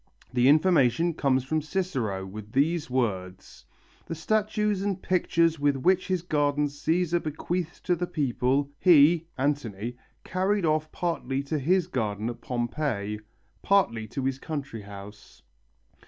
The information comes from Cicero with these words: "The statues and pictures which with his gardens Cæsar bequeathed to the people, he (Antony) carried off partly to his garden at Pompeii, partly to his country house."